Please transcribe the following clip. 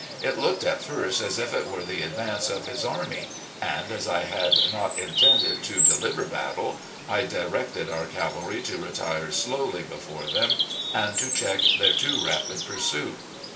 It looked at first as if it were the advance of his army, and, as I had not intended to deliver battle, I directed our cavalry to retire slowly before them and to check their too rapid pursuit.